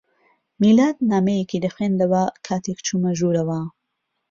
میلاد نامەیەکی دەخوێندەوە کاتێک چوومە ژوورەوە.